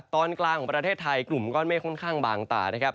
ตอนกลางของประเทศไทยกลุ่มก้อนเมฆค่อนข้างบางตานะครับ